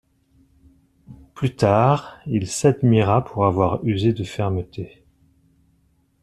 Plus tard, il s'admira pour avoir usé de fermeté.